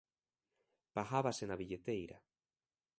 Pagábase na billeteira...